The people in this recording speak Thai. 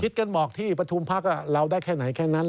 กันบอกที่ประชุมพักเราได้แค่ไหนแค่นั้น